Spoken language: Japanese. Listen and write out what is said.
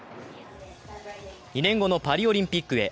２年後のパリオリンピックへ。